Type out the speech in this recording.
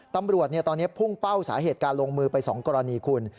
ตำรวจตอนนี้พุ่งเป้าสาเหตุการลงมือไป๒กรณีคุณ